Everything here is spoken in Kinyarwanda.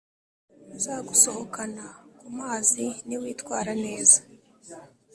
Nzagusohokana kumazi niwitwara neza